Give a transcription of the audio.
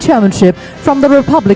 pemerintah pemerintah lau